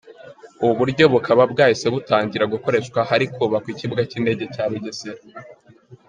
Ubu buryo bukaba bwahise butangira gukoreshwa ahari kubakwa Ikibuga cy’Indege cya Bugesera.